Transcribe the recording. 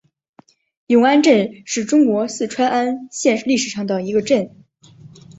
永安镇是中国四川安县历史上的一个镇。